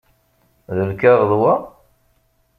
D lkaɣeḍ wa?